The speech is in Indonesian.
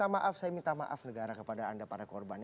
minta maaf negara kepada anda para korban